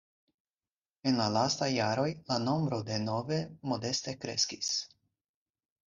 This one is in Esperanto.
En la lastaj jaroj la nombro de nove modeste kreskis.